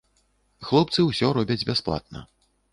Хлопцы ўсё робяць бясплатна.